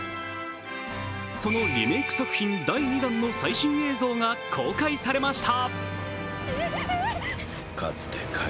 そのリメーク作品第２弾の最新映像が公開されました。